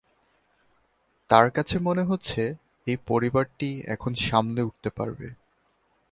তাঁর কাছে মনে হচ্ছে এই পরিবারটি এখন সামলে উঠতে পারবে।